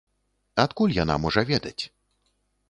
Адкуль яна можа ведаць?